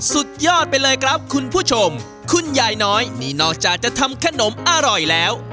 สุดยอดไปเลยครับคุณผู้ชมคุณยายน้อยนี่นอกจากจะทำขนมอร่อยแล้ว